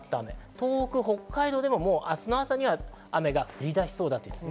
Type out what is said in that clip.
東北や北海道では明日の朝には雨が降り出しそうです。